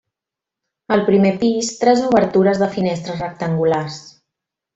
Al primer pis, tres obertures de finestres rectangulars.